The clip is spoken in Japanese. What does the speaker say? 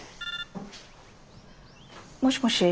もしもし。